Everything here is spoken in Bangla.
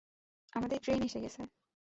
আমাদের ট্রেন এসে গেছে।